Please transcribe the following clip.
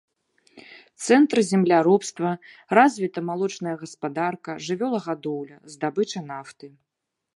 Цэнтр земляробства, развіта малочная гаспадарка, жывёлагадоўля, здабыча нафты.